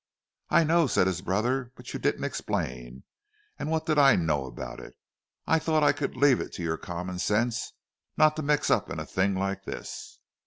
"I know," said his brother. "But you didn't explain—and what did I know about it? I thought I could leave it to your common sense not to mix up in a thing like this."